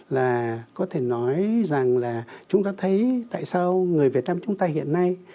là có thể nói rằng là chúng ta thấy tại sao người việt nam chúng ta hiện nay